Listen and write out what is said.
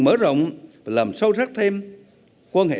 mở rộng và làm sâu rắc thêm quan hệ